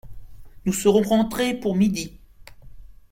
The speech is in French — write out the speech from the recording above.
Nous serons rentrées pour midi!